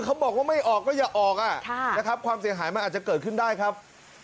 เขาบอกว่าไม่ออกก็อย่าออกนะครับความเสียหายมันอาจจะเกิดขึ้นได้ครับ